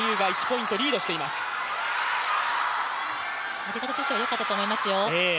攻め方としては良かったと思いますよ。